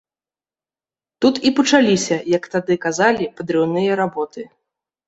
Тут і пачаліся, як тады казалі, падрыўныя работы.